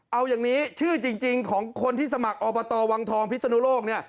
เอาอย่างนี้ชื่อจริงของคนที่สมัครอบตวังทองพิศนุโลกเนี่ย